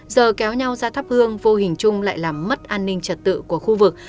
giờ kéo nhau ra thắp hương vô hình chung lại làm mất an ninh trật tự của khu vực